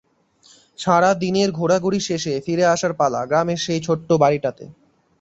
সারা দিনের ঘোরাঘুরি শেষে ফিরে আসার পালা গ্রামের সেই ছোট্ট বাড়িটাতে।